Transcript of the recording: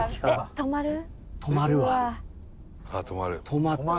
止まった。